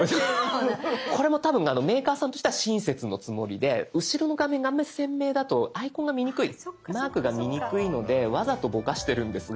これも多分メーカーさんとしては親切のつもりで後ろの画面があんまり鮮明だとアイコンが見にくいマークが見にくいのでわざとボカしてるんですが。